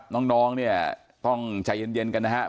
น้องเนี่ยต้องใจเย็นกันนะครับ